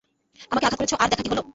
আমাকে আঘাত করেছো আর দেখো কি হলো।